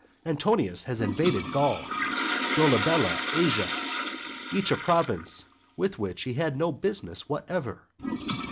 Antonius has invaded Gaul; Dolabella, Asia; each a province with which he had no business whatever.